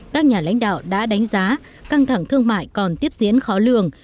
các nhà lãnh đạo đã đánh giá căng thẳng thương mại còn tiếp diễn khó lường